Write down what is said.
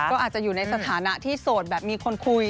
ก็อาจจะอยู่ในสถานะที่โสดแบบมีคนคุย